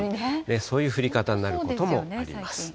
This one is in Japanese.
そういう降り方になることもありそうです。